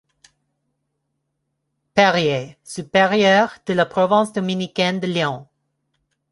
Perier, supérieur de la province dominicaine de Lyon.